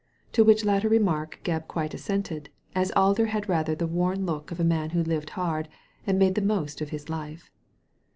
To which latter remark Gebb quite assented, as Alder had rather the worn look of a man who lived hard, and made the most of his life.